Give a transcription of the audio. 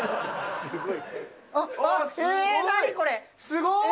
すごい。